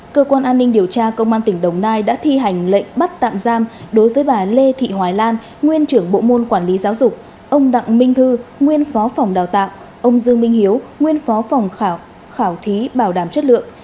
cơ quan an ninh điều tra công an tỉnh đồng nai đã thi hành lệnh bắt tạm giam đối với bà lê thị hoài lan nguyên trưởng bộ môn quản lý giáo dục ông đặng minh thư nguyên phó phòng đào tạo ông dương minh hiếu nguyên phó phòng khảo thí bảo đảm chất lượng